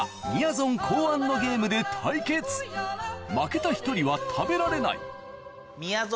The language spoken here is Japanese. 今回は負けた１人は食べられない何？